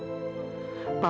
bapak pasti sembuh